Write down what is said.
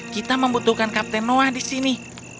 kita membutuhkan kapten noah di sini